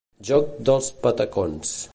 Joc dels patacons.